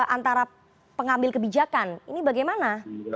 antara pengambil kebijakan ini bagaimana